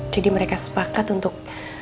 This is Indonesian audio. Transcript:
jadi mereka sepakat untuk